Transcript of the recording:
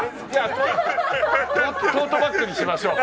トートバッグにしましょう。